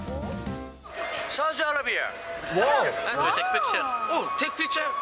サウジアラビア。